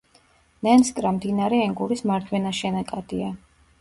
ნენსკრა მდინარე ენგურის მარჯვენა შენაკადია.